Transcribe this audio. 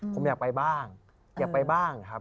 ผมอยากไปบ้างอยากไปบ้างครับ